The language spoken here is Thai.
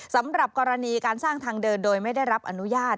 สำหรับกรณีการสร้างทางเดินโดยไม่ได้รับอนุญาต